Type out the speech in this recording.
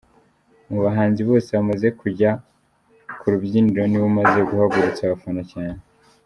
Mu bahanzi bose bamaze kujya ku rubyiniro niwe umaze guhagurutsa abafana cyane.